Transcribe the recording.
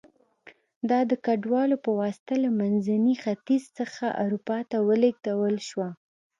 دا د کډوالو په واسطه له منځني ختیځ څخه اروپا ته ولېږدول شوه